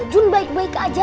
jun baik baik aja